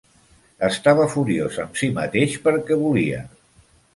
Estava furiós amb si mateix perquè volia.